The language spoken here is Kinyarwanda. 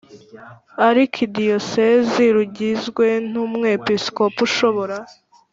Arkidiyosezi rugizwe n umwepisikopi ushobora